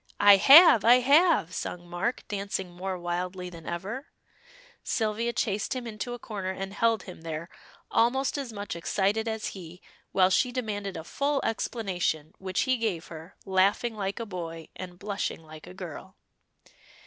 "I have! I have!" sung Mark, dancing more wildly than ever. Sylvia chased him into a corner and held him there, almost as much excited as he, while she demanded a full explanation, which he gave her, laughing like a boy, and blushing like a girl.